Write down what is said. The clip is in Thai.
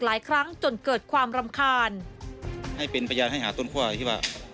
หลายครั้งจนเกิดความรำคาญให้เป็นพยานให้หาต้นคั่วที่ว่า